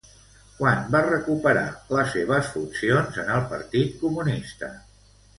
Quan va recuperar les seves funcions en el Partit Comunista?